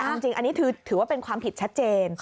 เอาจริงอันนี้ถือว่าเป็นความผิดชัดเจน